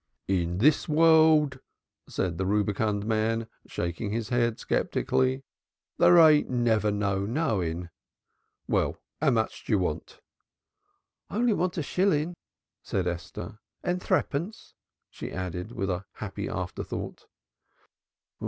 "In this world," said the rubicund man, shaking his head sceptically, "there ain't never no knowing. Well, how much d'yer want?" "I only want a shilling," said Esther, "and threepence," she added as a happy thought.